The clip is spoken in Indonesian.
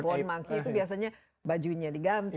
the born monkey itu biasanya bajunya diganti